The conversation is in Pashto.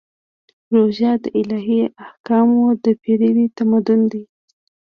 روژه د الهي احکامو د پیروي تمرین دی.